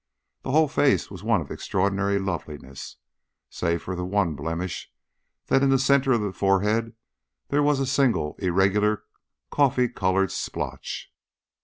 The whole face was one of extraordinary loveliness, save for the one blemish that in the centre of the forehead there was a single irregular, coffee coloured splotch.